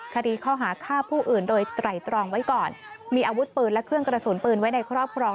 คดีข้อหาฆ่าผู้อื่นโดยไตรตรองไว้ก่อนมีอาวุธปืนและเครื่องกระสุนปืนไว้ในครอบครอง